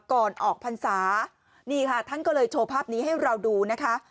ก่อนออกพรรษานี่ค่ะท่านก็เลยโชว์ภาพนี้ให้เราดูนะคะ